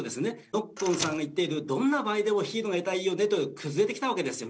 ノッコンさんが言っているどんな場合でもヒールがいたらいいよねという崩れてきたわけですよね。